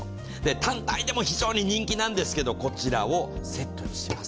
単体でも非常に人気なんですけど、こちらをセットにします。